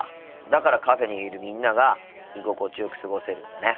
だからカフェにいるみんなが居心地よく過ごせるんだね。